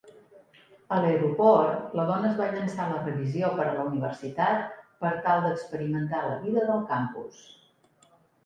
A l'aeroport, la dona es va llançar a la revisió per a la universitat per tal d'experimentar la vida del campus.